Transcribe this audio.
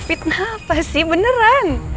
fitnah apa sih beneran